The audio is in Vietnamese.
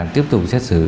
tiếp tục xét xử